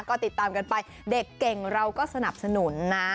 ก็ติดตามกันไปเด็กเก่งเราก็สนับสนุนนะ